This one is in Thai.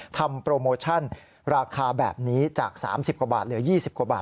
โปรโมชั่นราคาแบบนี้จาก๓๐กว่าบาทเหลือ๒๐กว่าบาท